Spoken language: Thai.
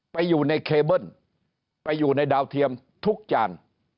ไปอยู่ในเคเบิ้ลไปอยู่ในดาวเทียมทุกจาน